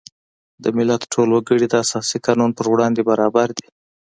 د ملت ټول وګړي د اساسي قانون په وړاندې برابر دي.